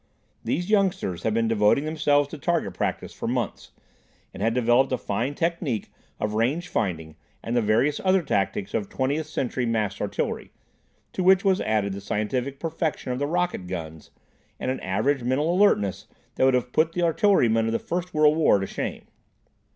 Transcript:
These youngsters had been devoting themselves to target practice for months, and had developed a fine technique of range finding and the various other tactics of Twentieth Century massed artillery, to which was added the scientific perfection of the rocket guns and an average mental alertness that would have put the artilleryman of the First World War to shame.